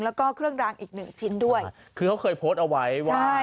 แล้วก็เครื่องรางอีกหนึ่งชิ้นด้วยคือเขาเคยโพสต์เอาไว้ว่า